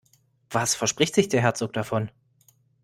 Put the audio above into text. Was verspricht sich der Herzog davon?